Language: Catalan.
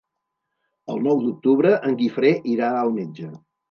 El nou d'octubre en Guifré irà al metge.